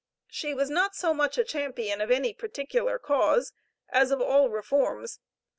She was not so much a champion of any particular cause as of all reforms.